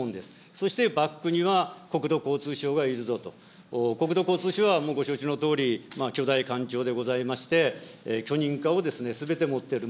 そして、バックには国土交通省がいるぞと、国土交通省はもうご承知のとおり巨大官庁でございまして、許認可をすべて持ってる。